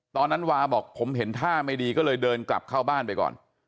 วาบอกผมเห็นท่าไม่ดีก็เลยเดินกลับเข้าบ้านไปก่อน